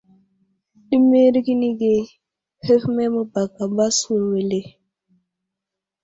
Ɗimirkinige hehme məbaka baskur wele.